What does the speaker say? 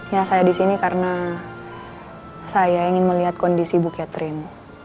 ya saya di sini karena saya ingin melihat kondisi bu catherine